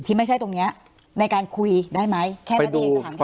ที่ไม่ใช่ตรงเนี้ยในการคุยได้ไหมแค่นั้นเองสถานที่นี้ไปดู